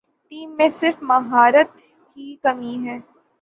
Team میں صرف مہارت کی کمی ہے ۔